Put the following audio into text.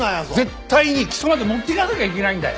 絶対に起訴まで持っていかなきゃいけないんだよ。